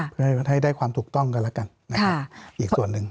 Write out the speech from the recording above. เพื่อให้ได้ความถูกต้องกันแล้วกันนะครับอีกส่วนหนึ่ง